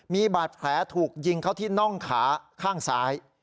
มีบาดแผลถูกยิงเข้าที่น่องขาข้างซ้าย